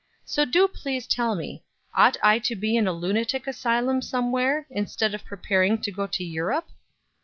So do please tell me, ought I to be in a lunatic asylum somewhere instead of preparing to go to Europe?"